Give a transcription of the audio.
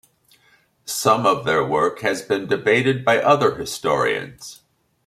Some of their work has been debated by other historians.